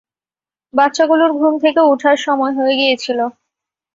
বাচ্চাগুলোর ঘুম থেকে উঠার সময় হয়ে গিয়েছিল।